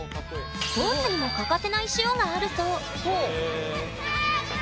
スポーツにも欠かせない塩があるそう！